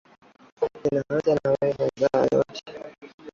Nina haja nawe, mweza yote.